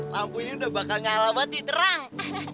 lampu ini udah bakal ngalamat di terang